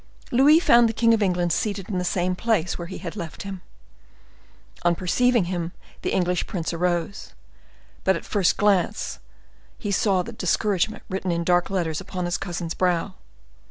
Louis found the king of England seated in the same place where he had left him. On perceiving him, the English prince arose; but at the first glance he saw discouragement written in dark letters upon his cousin's brow.